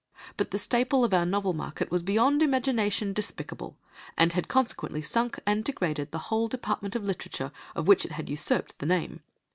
But the staple of our novel market was beyond imagination despicable, and had consequently sunk and degraded the whole department of literature of which it had usurped the name."